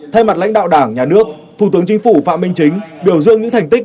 thay mặt lãnh đạo đảng nhà nước thủ tướng chính phủ phạm minh chính biểu dương những thành tích